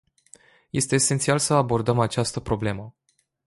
Este esențial să abordăm această problemă.